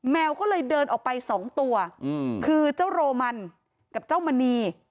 แมวก็เลยเดินออกไปสองตัวคือเจ้าโรมันกับเจ้ามณี